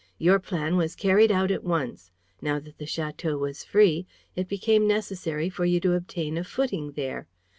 Your plan was carried out at once. Now that the château was free, it became necessary for you to obtain a footing there.